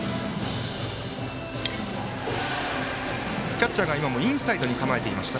キャッチャーが今もインサイドに構えていました。